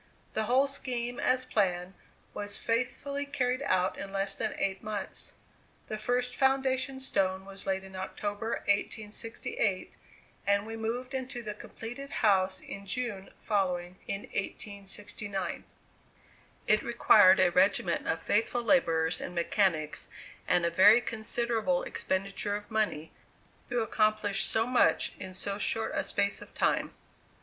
The whole scheme as planned was faithfully carried out in less than eight months. The first foundation stone was laid in October, 1868; and we moved into the completed house in June following, in 1869. It required a regiment of faithful laborers and mechanics, and a very considerable expenditure of money, to accomplish so much in so short a space of time.